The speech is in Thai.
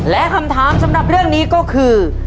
และคำถามสำหรับเรื่องนี้ก็คือ